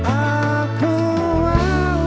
aku mau mencintaiku